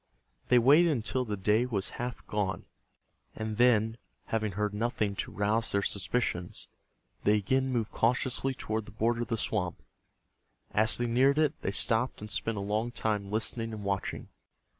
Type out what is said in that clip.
They waited until the day was half gone, and then, having heard nothing to rouse their suspicions, they again moved cautiously toward the border of the swamp. As they neared it, they stopped and spent a long time listening and watching.